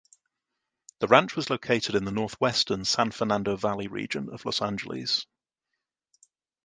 The ranch was located in the northwestern San Fernando Valley region of Los Angeles.